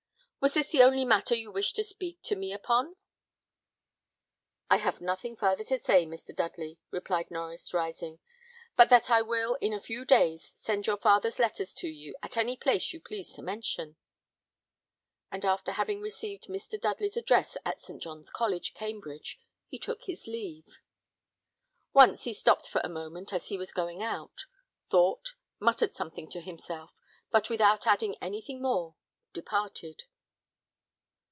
Was this the only matter you wished to speak to me upon!" "I have nothing farther to say, Mr. Dudley," replied Norries, rising, "but that I will in a few days send your father's letters to you at any place you please to mention." And after having received Mr. Dudley's address at St. John's College, Cambridge, he took his leave. Once he stopped for a moment as he was going out thought, muttered something to himself, but without adding anything more, departed.